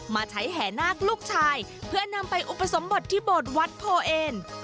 มาใช้แห่นาคลูกชายเพื่อนำไปอุปสมบทที่โบสถ์วัดโพเอน